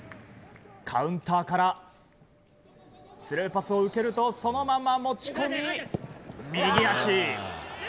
カウンターからスルーパスを受けるとそのまま持ち込み、右足。